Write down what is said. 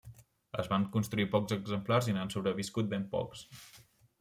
Es van construir pocs exemplars i n'han sobreviscut ben pocs.